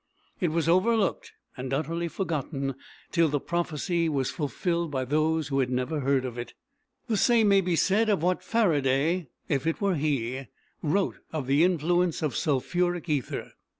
It was overlooked and utterly forgotten till the prophecy was fulfilled by those who had never heard of it. The same may be said of what Faraday, if it were he, wrote of the influence of sulphuric ether.